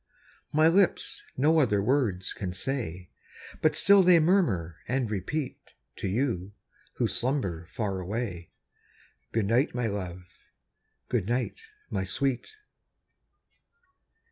My lips no other words can say, But still they murmur and repeat To you, who slumber far away, Good night, my love! good night, my sweet!